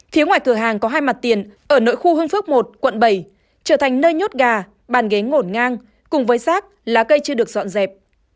phía ngoài cửa hàng có hai mặt tiền ở nội khu hương phước một quận bảy trở thành nơi nhốt gà bàn ghế ngổn ngang cùng với rác lá cây chưa được dọn dẹp